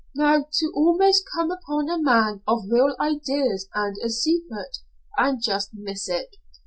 "Now, to almost come upon a man of real ideals and a secret, and just miss it.